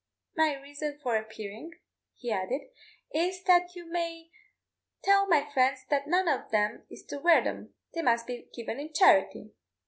My raison for appearin'," he added, "is, that you may tell my friends that none of them is to wear them they must be given in charity."